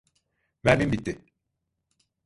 Mermim bitti!